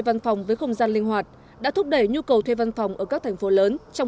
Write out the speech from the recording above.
văn phòng với không gian linh hoạt đã thúc đẩy nhu cầu thuê văn phòng ở các thành phố lớn trong